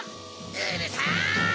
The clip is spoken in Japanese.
うるさい！